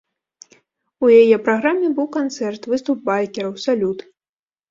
У яе праграме быў канцэрт, выступ байкераў, салют.